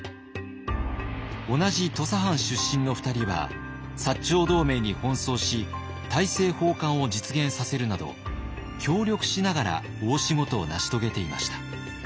同じ土佐藩出身の２人は長同盟に奔走し大政奉還を実現させるなど協力しながら大仕事を成し遂げていました。